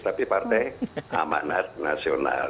tapi partai amanat nasional